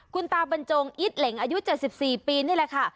คุณตาบรรจงอิตเหล็งอายุ๗๔ปีนี่แหละค่ะ